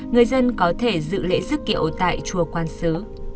người dân có thể dự lễ dứt kiệu tại chùa quán sứ